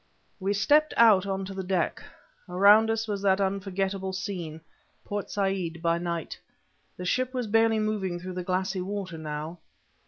We stepped out onto the deck. Around us was that unforgettable scene Port Said by night. The ship was barely moving through the glassy water, now.